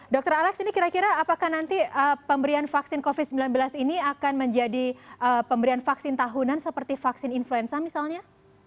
dr alex ini kira kira apakah nanti pemberian vaksin covid sembilan belas ini akan menjadi pemberian vaksin tahunan seperti vaksin influenza misalnya